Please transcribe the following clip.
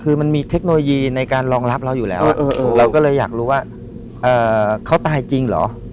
คือมันมีเทคโนโลยีในการรองรับเราอยู่แล้วเราก็เลยอยากรู้ว่าเขาตายจริงเหรอ